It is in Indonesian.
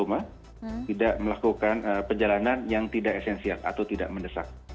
rumah tidak melakukan perjalanan yang tidak esensial atau tidak mendesak